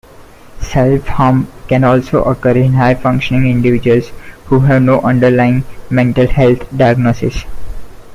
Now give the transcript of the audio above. Self-harm can also occur in high-functioning individuals who have no underlying mental health diagnosis.